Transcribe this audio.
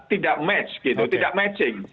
tidak match gitu tidak matching